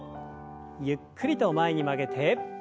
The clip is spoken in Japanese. ゆっくりと前に曲げて。